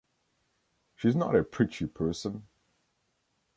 She's not a preachy person.